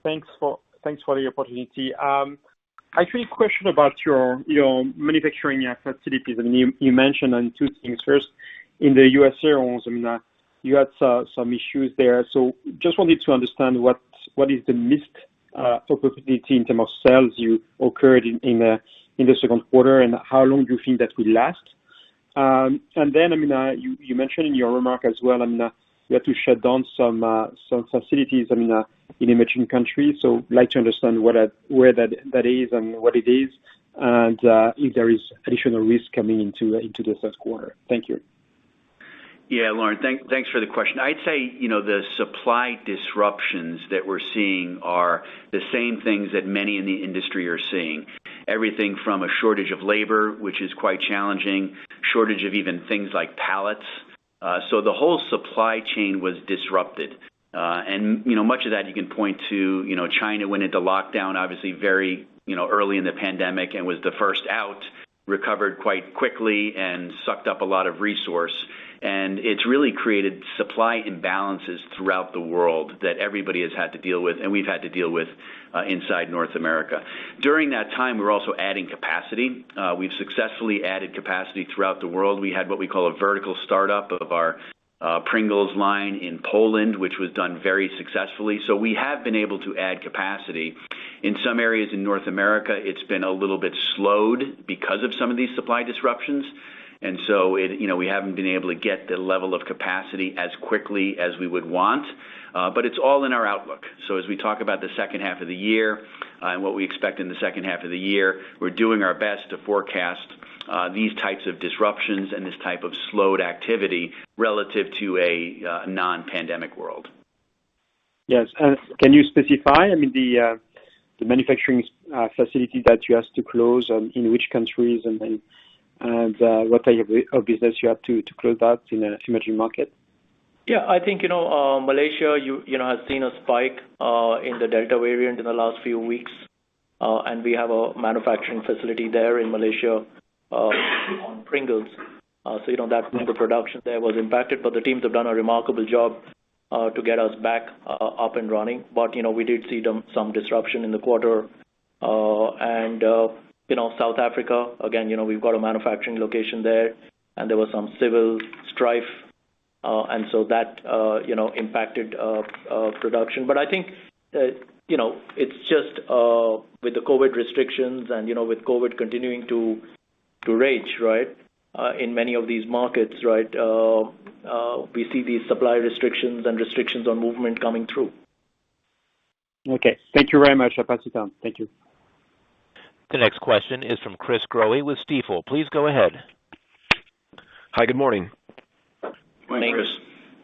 Thanks for the opportunity. A question about your manufacturing facilities, and you mentioned on two things. First, in the USA, you had some issues there. Just wanted to understand what is the missed opportunity in term of sales you occurred in the Q2, and how long do you think that will last? You mentioned in your remark as well you had to shut down some facilities in emerging countries. I'd like to understand where that is and what it is, and if there is additional risk coming into this quarter. Thank you. Laurent, thanks for the question. The supply disruptions that we're seeing are the same things that many in the industry are seeing. Everything from a shortage of labor, which is quite challenging, shortage of even things like pallets. The whole supply chain was disrupted. Much of that you can point to China went into lockdown, obviously very early in the pandemic, and was the first out, recovered quite quickly, and sucked up a lot of resource. It's really created supply imbalances throughout the world that everybody has had to deal with, and we've had to deal with inside North America. During that time, we were also adding capacity. We've successfully added capacity throughout the world. We had what we call a vertical startup of our Pringles line in Poland, which was done very successfully. We have been able to add capacity. In some areas in North America, it's been a little bit slowed because of some of these supply disruptions. We haven't been able to get the level of capacity as quickly as we would want. It's all in our outlook. As we talk about the H2 of the year and what we expect in the H2 of the year, we're doing our best to forecast these types of disruptions and this type of slowed activity relative to a non-pandemic world. Yes. Can you specify, the manufacturing facility that you had to close, in which countries, and then what type of business you had to close out in the emerging market? Yeah. I think Malaysia has seen a spike in the Delta variant in the last few weeks. We have a manufacturing facility there in Malaysia on Pringles. That Pringles production there was impacted, but the teams have done a remarkable job to get us back up and running. We did see some disruption in the quarter. South Africa, again, we've got a manufacturing location there, and there was some civil strife, and so that impacted production. I think it's just with the COVID restrictions and with COVID continuing to rage, right, in many of these markets, right? We see these supply restrictions and restrictions on movement coming through. Okay. Thank you very much. I'll pass it down. Thank you. The next question is from Chris Growe with Stifel. Please go ahead. Hi, good morning. Morning, Chris.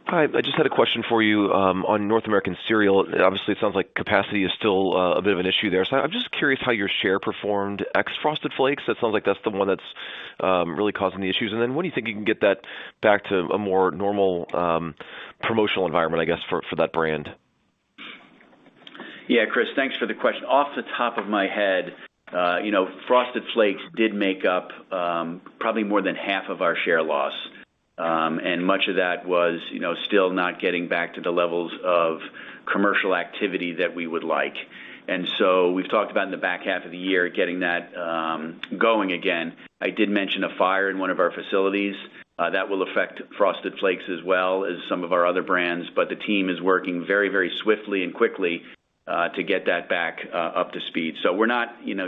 Hi, I just had a question for you on North American cereal. Obviously, it sounds like capacity is still a bit of an issue there. I'm just curious how your share performed ex Frosted Flakes. That sounds like that's really causing the issues, and then when do you think you can get that back to a more normal promotional environment, I guess, for that brand? Yeah, Chris, thanks for the question. Off the top of my head, Frosted Flakes did make up probably more than half of our share loss. Much of that was still not getting back to the levels of commercial activity that we would like. We've talked about in the back half of the year, getting that going again. I did mention a fire in one of our facilities. That will affect Frosted Flakes as well as some of our other brands, the team is working very swiftly and quickly to get that back up to speed.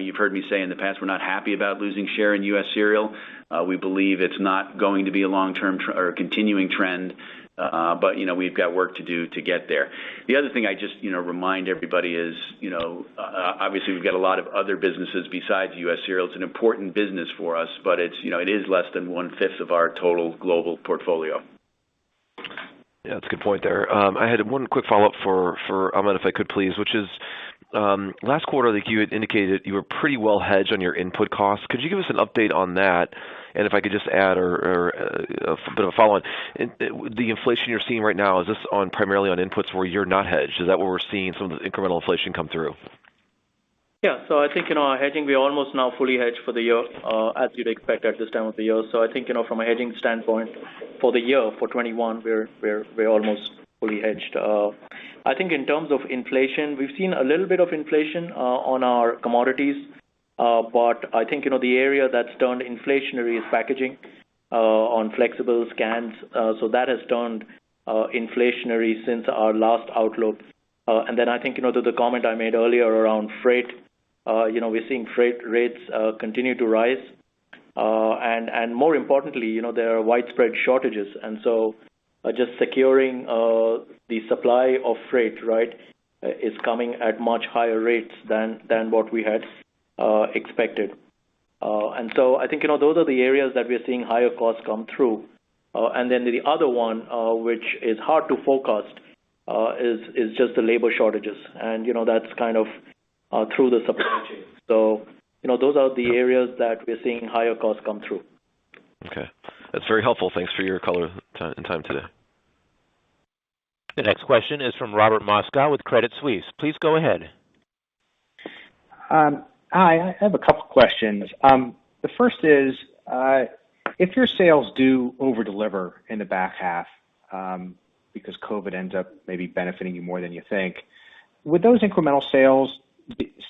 You've heard me say in the past, we're not happy about losing share in U.S. cereal. We believe it's not going to be a long-term or continuing trend, we've got work to do to get there. The other thing I just remind everybody is, obviously we've got a lot of other businesses besides U.S. cereal. It's an important business for us, but it is less than one fifth of our total global portfolio. Yeah, that's a good point there. I had one quick follow-up for Amit Banati if I could please, which is, last quarter I think you had indicated you were pretty well hedged on your input costs. Could you give us an update on that? If I could just add or a bit of a follow-on, the inflation you're seeing right now, is this on primarily on inputs where you're not hedged? Is that where we're seeing some of the incremental inflation come through? I think our hedging, we are almost now fully hedged for the year, as you'd expect at this time of the year. I think, from a hedging standpoint, for the year, for 2021, we're almost fully hedged. I think in terms of inflation, we've seen a little bit of inflation on our commodities. I think the area that's turned inflationary is packaging on flexibles, cans, so that has turned inflationary since our last outlook. I think to the comment I made earlier around freight, we're seeing freight rates continue to rise. More importantly, there are widespread shortages, and so just securing the supply of freight is coming at much higher rates than what we had expected. I think those are the areas that we are seeing higher costs come through. The other one, which is hard to forecast, is just the labor shortages and that's kind of through the supply chain. Those are the areas that we are seeing higher costs come through. Okay. That's very helpful. Thanks for your color and time today. The next question is from Robert Moskow with Credit Suisse. Please go ahead. Hi, I have a couple questions. The first is, if your sales do over-deliver in the back half, because COVID ends up maybe benefiting you more than you think, would those incremental sales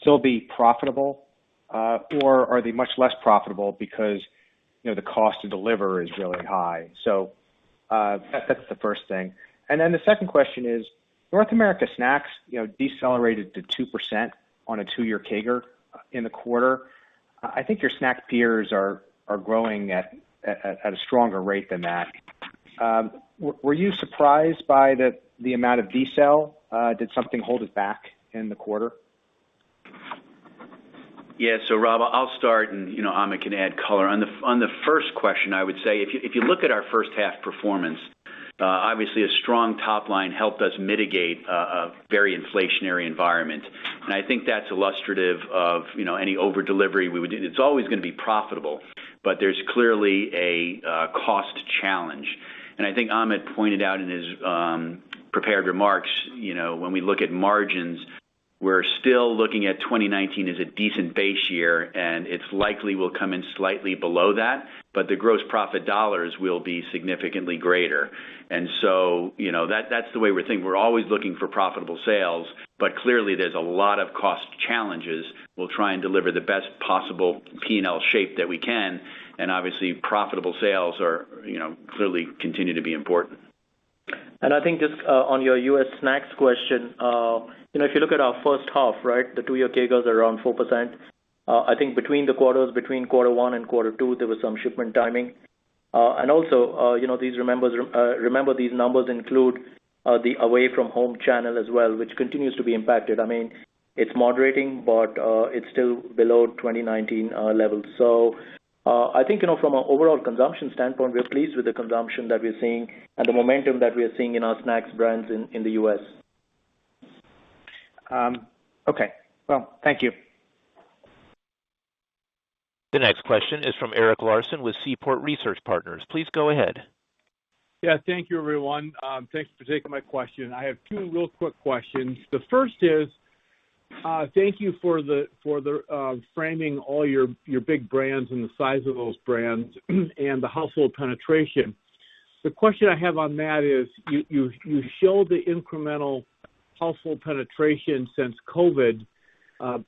still be profitable? Are they much less profitable because the cost to deliver is really high? That's the first thing. The second question is, North America snacks decelerated to 2% on a two-year CAGR in the quarter. I think your snack peers are growing at a stronger rate than that. Were you surprised by the amount of decel? Did something hold it back in the quarter? Yeah. Rob Dickerson, I'll start and Amit Banati can add color. On the first question, I would say if you look at our H1 performance, obviously a strong top line helped us mitigate a very inflationary environment. I think that's illustrative of any over delivery we would do. It's always going to be profitable, but there's clearly a cost challenge. I think Amit Banati pointed out in his prepared remarks, when we look at margins, we're still looking at 2019 as a decent base year, and it likely will come in slightly below that, but the gross profit dollars will be significantly greater. That's the way we're thinking. We're always looking for profitable sales, but clearly there's a lot of cost challenges. We'll try and deliver the best possible P&L shape that we can, and obviously profitable sales clearly continue to be important. I think just on your U.S. snacks question, if you look at our H1, the two-year CAGRs are around 4%. I think between the quarters, between Q1 and Q2, there was some shipment timing. Also, remember these numbers include the away from home channel as well, which continues to be impacted. It's moderating, but it's still below 2019 levels. I think from an overall consumption standpoint, we are pleased with the consumption that we are seeing and the momentum that we are seeing in our snacks brands in the U.S. Okay. Well, thank you. The next question is from Eric Larson with Seaport Research Partners. Please go ahead. Thank you everyone. Thanks for taking my question. I have two real quick questions. The first is, thank you for framing all your big brands and the size of those brands and the household penetration. The question I have on that is, you show the incremental household penetration since COVID-19,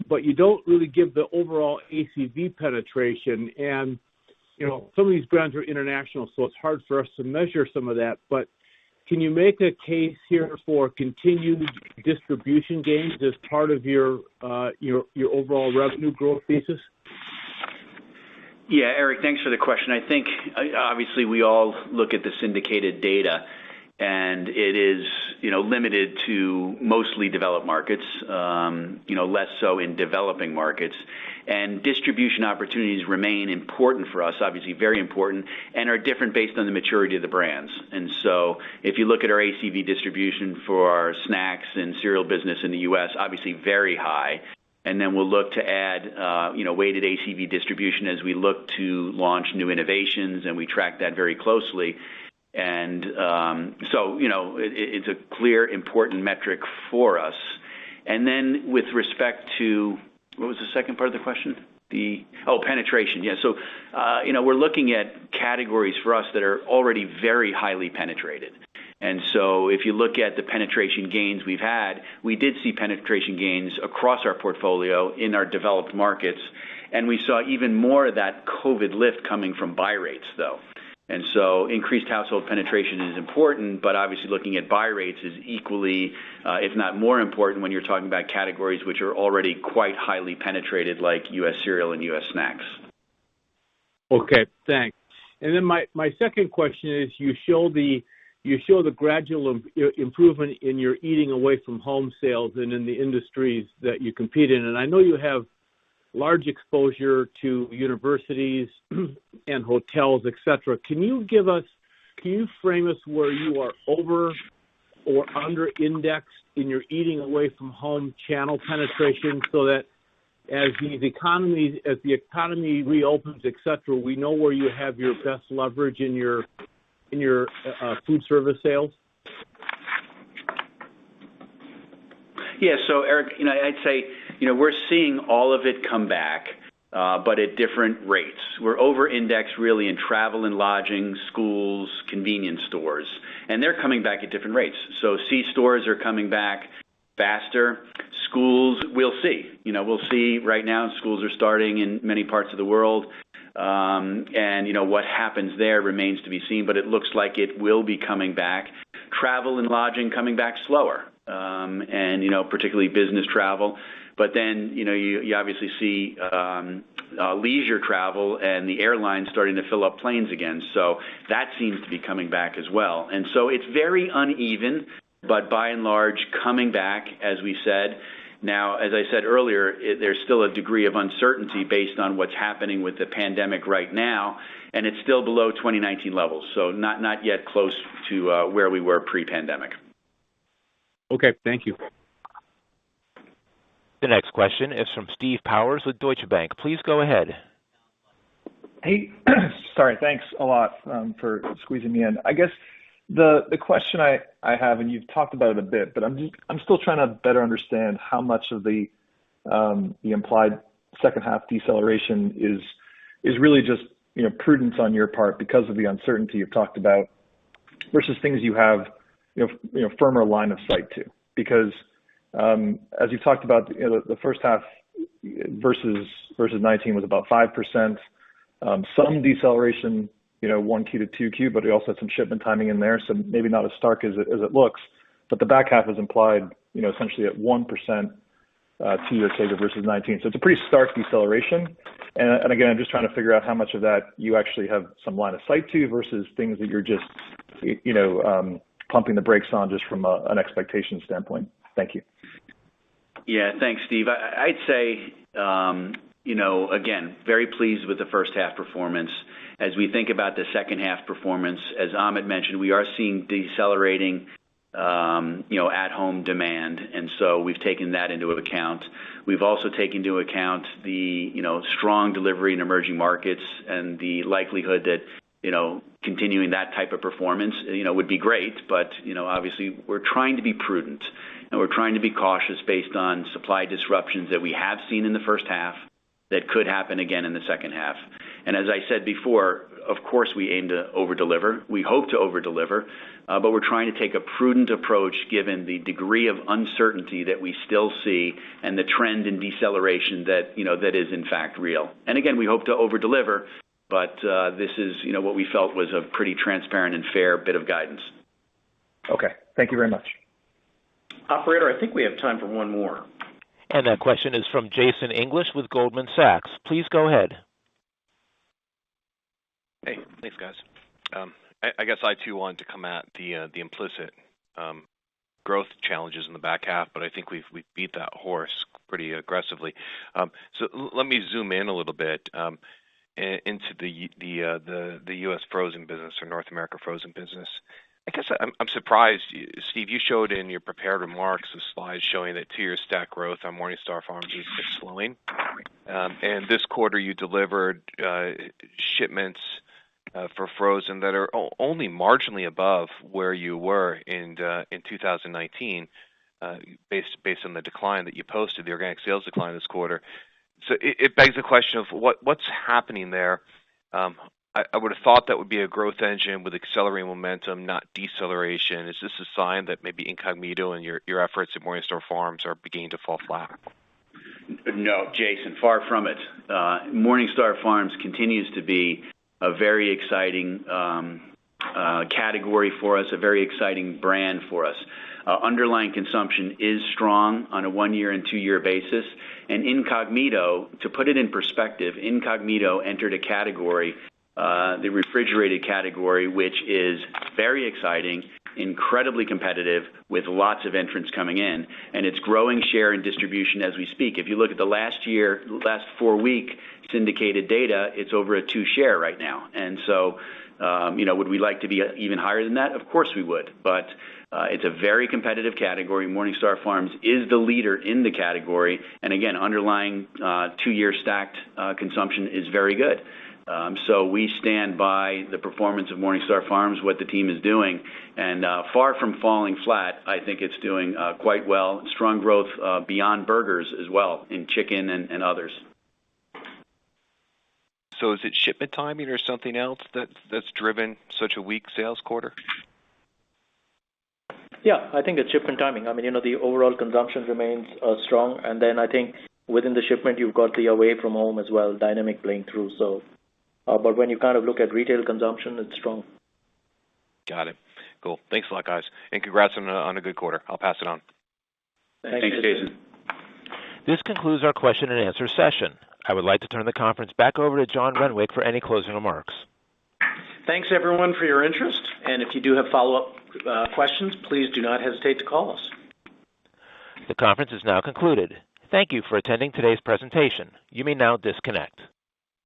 but you don't really give the overall ACV penetration and some of these brands are international, so it's hard for us to measure some of that. Can you make a case here for continued distribution gains as part of your overall revenue growth thesis? Yeah, Eric, thanks for the question. I think, obviously, we all look at the syndicated data, and it is limited to mostly developed markets, less so in developing markets. Distribution opportunities remain important for us, obviously very important, and are different based on the maturity of the brands. If you look at our ACV distribution for our snacks and cereal business in the U.S., obviously very high. We'll look to add weighted ACV distribution as we look to launch new innovations, and we track that very closely. It's a clear important metric for us. What was the second part of the question? Oh, penetration. Yeah. We're looking at categories for us that are already very highly penetrated. If you look at the penetration gains we've had, we did see penetration gains across our portfolio in our developed markets, and we saw even more of that COVID lift coming from buy rates, though. Increased household penetration is important, but obviously looking at buy rates is equally, if not more important, when you're talking about categories which are already quite highly penetrated, like U.S. cereal and U.S. snacks. Okay, thanks. My second question is, you show the gradual improvement in your eating away from home sales and in the industries that you compete in. I know you have large exposure to universities and hotels, et cetera. Can you frame us where you are over or under indexed in your eating away from home channel penetration so that as the economy reopens, et cetera, we know where you have your best leverage in your food service sales? Yeah. Eric, I'd say we're seeing all of it come back, but at different rates. We're over-indexed really in travel and lodging, schools, convenience stores. They're coming back at different rates. C-stores are coming back faster. Schools, we'll see. Right now, schools are starting in many parts of the world. What happens there remains to be seen, but it looks like it will be coming back. Travel and lodging coming back slower, and particularly business travel. You obviously see leisure travel and the airlines starting to fill up planes again. That seems to be coming back as well. It's very uneven, but by and large, coming back, as we said. Now, as I said earlier, there's still a degree of uncertainty based on what's happening with the pandemic right now, and it's still below 2019 levels. Not yet close to where we were pre-pandemic. Okay, thank you. The next question is from Steve Powers with Deutsche Bank. Please go ahead. Hey. Sorry. Thanks a lot for squeezing me in. I guess the question I have, and you've talked about it a bit, but I'm still trying to better understand how much of the implied H2 deceleration is really just prudence on your part because of the uncertainty you've talked about versus things you have firmer line of sight to. As you talked about, the H1 versus 2019 was about 5%. Some deceleration, 1Q-2Q, but we also had some shipment timing in there, so maybe not as stark as it looks. The back half is implied, essentially at 1% two years data versus 2019. It's a pretty stark deceleration. Again, I'm just trying to figure out how much of that you actually have some line of sight to versus things that you're just pumping the brakes on just from an expectation standpoint. Thank you. Thanks, Steve. I'd say, again, very pleased with the H1 performance. As we think about the H2 performance, as Amit mentioned, we are seeing decelerating at-home demand, and so we've taken that into account. We've also taken into account the strong delivery in emerging markets and the likelihood that continuing that type of performance would be great. Obviously, we're trying to be prudent, and we're trying to be cautious based on supply disruptions that we have seen in the H1 that could happen again in the H2. As I said before, of course, we aim to over-deliver. We hope to over-deliver, but we're trying to take a prudent approach given the degree of uncertainty that we still see and the trend in deceleration that is in fact real. Again, we hope to over-deliver, but this is what we felt was a pretty transparent and fair bit of guidance. Okay. Thank you very much. Operator, I think we have time for one more. That question is from Jason English with Goldman Sachs. Please go ahead. Hey. Thanks, guys. I guess I, too, wanted to come at the implicit growth challenges in the back half, but I think we've beat that horse pretty aggressively. Let me zoom in a little bit into the U.S. frozen business or North America frozen business. I guess I'm surprised, Steve, you showed in your prepared remarks the slides showing that two-year stack growth on MorningStar Farms is slowing. This quarter, you delivered shipments for frozen that are only marginally above where you were in 2019 based on the decline that you posted, the organic sales decline this quarter. It begs the question of what's happening there? I would've thought that would be a growth engine with accelerating momentum, not deceleration. Is this a sign that maybe Incogmeato and your efforts at MorningStar Farms are beginning to fall flat? No, Jason, far from it. MorningStar Farms continues to be a very exciting category for us, a very exciting brand for us. Underlying consumption is strong on a one-year and two-year basis. Incogmeato, to put it in perspective, Incogmeato entered a category, the refrigerated category, which is very exciting, incredibly competitive, with lots of entrants coming in, and it's growing share and distribution as we speak. If you look at the last four-week syndicated data, it's over a two share right now. Would we like to be even higher than that? Of course, we would, but it's a very competitive category. MorningStar Farms is the leader in the category, and again, underlying two-year stacked consumption is very good. We stand by the performance of MorningStar Farms, what the team is doing, and far from falling flat, I think it's doing quite well. Strong growth beyond burgers as well, in chicken and others. Is it shipment timing or something else that's driven such a weak sales quarter? Yeah, I think it's shipment timing. The overall consumption remains strong. I think within the shipment, you've got the away from home as well dynamic playing through. When you look at retail consumption, it's strong. Got it. Cool. Thanks a lot, guys, and congrats on a good quarter. I'll pass it on. Thanks, Jason. This concludes our question-and-answer session. I would like to turn the conference back over to John Renwick for any closing remarks. Thanks everyone for your interest, and if you do have follow-up questions, please do not hesitate to call us. The conference is now concluded. Thank you for attending today's presentation. You may now disconnect.